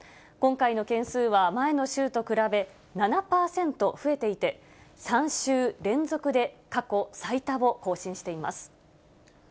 今回の件数は前の週と比べ、７％増えていて、３週連続で過去最多を更新しています。